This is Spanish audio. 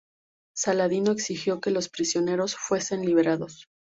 Saladino exigió que los prisioneros fuesen liberados.